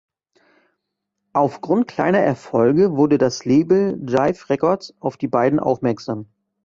Aufgrund kleiner Erfolge wurde das Label Jive Records auf die beiden aufmerksam.